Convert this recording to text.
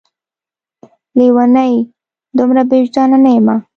لېونۍ! دومره بې وجدان نه یمه